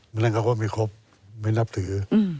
ไม่ต้องคำว่ามีครบไม่นับถือ